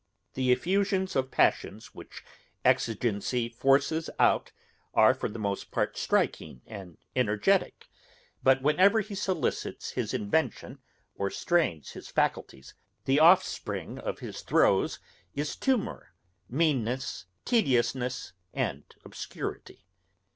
The effusions of passion which exigence forces out are for the most part striking and energetick; but whenever he solicits his invention, or strains his faculties, the offspring of his throes is tumour, meanness, tediousness, and obscurity.